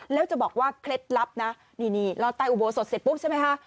แล้วจะบอกว่าเคล็ดลับนะนี่รอดใต้อุโบสถเสร็จปุ๊บใช่ไหมคะ